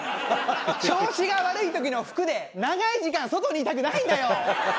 調子が悪い時の服で長い時間外にいたくないんだよ。